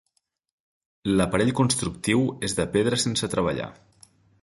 L'aparell constructiu és de pedra sense treballar.